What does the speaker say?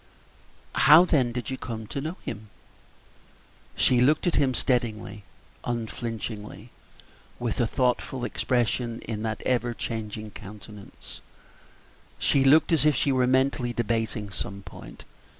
"How, then, did you come to know him?" She looked at him for a moment steadily, unflinchingly, with a thoughtful expression in that ever changing countenance looked as if she were mentally debating some point.